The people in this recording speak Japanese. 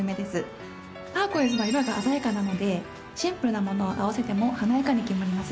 ターコイズの色が鮮やかなのでシンプルなものを合わせても華やかに決まります。